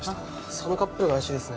そのカップルが怪しいですね。